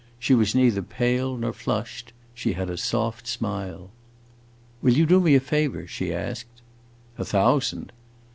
She was neither pale nor flushed; she had a soft smile. "Will you do me a favor?" she asked. "A thousand!"